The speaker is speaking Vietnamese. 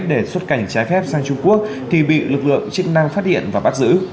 để xuất cảnh trái phép sang trung quốc thì bị lực lượng chức năng phát hiện và bắt giữ